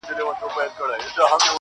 زهر مار د دواړو وچ کړله رګونه -